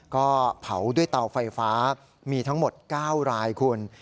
ก็เผาด้วยเตาไฟฟ้ามีทั้งหมด๙รายคุณ